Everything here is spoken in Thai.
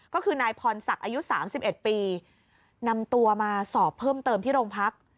ก็คือนายพรศักดิ์อายุ๓๑ปีนำตัวมาสอบเพิ่มเติมที่โรงพัก